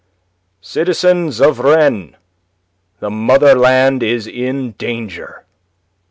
"Citizens of Rennes, the motherland is in danger!"